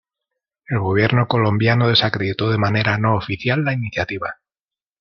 El gobierno colombiano desacreditó de manera no oficial la iniciativa.